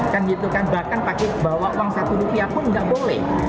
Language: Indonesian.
kan gitu kan bahkan pakai bawa uang satu rupiah pun nggak boleh